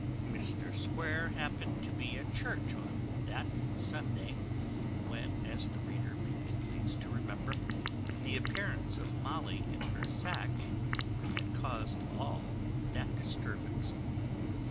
Mr Square happened to be at church on that Sunday, when, as the reader may be pleased to remember, the appearance of Molly in her sack had caused all that disturbance.